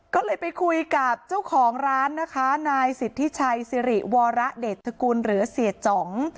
ก็เลยไปคุยกับเจ้าของร้านนะคะนายสิทธิชัยสิริวรเดชกุลหรือเสียจ๋อง